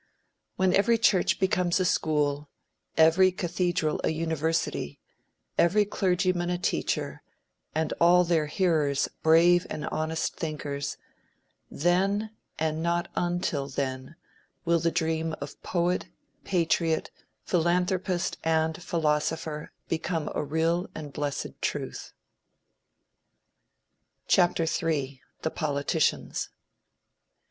When every church becomes a school, every cathedral a university, every clergyman a teacher, and all their hearers brave and honest thinkers, then, and not until then, will the dream of poet, patriot, philanthropist and philosopher, become a real and blessed truth. III. THE POLITICIANS.